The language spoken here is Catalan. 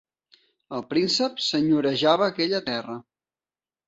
El príncep senyorejava aquella terra.